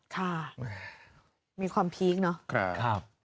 ค่ะมีความพีคเนอะ